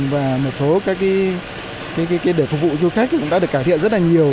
và một số các để phục vụ du khách cũng đã được cải thiện rất là nhiều